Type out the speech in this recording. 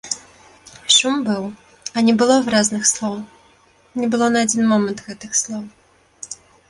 Шум быў, а не было выразных слоў, не было на адзін момант гэтых слоў.